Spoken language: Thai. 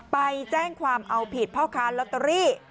ไปแจ้งความเอาผิดพ่อค้าลอตเตอรี่